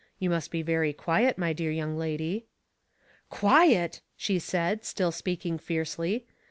" You must be very quiet, my dear young lady.'* " Quiet !" she said, still speaking fiercely.